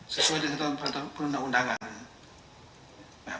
sesuai dengan peraturan undangan